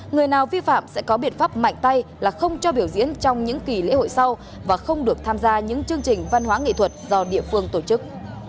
người nào vi phạm sẽ có biện pháp mạnh tay là không cho biểu diễn trong những kỳ lễ hội sau và không được tham gia những chương trình văn hóa nghệ thuật do địa phương tổ chức